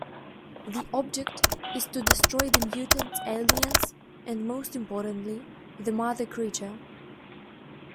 The object is to destroy the mutants aliens and, most importantly, the Mother Creature.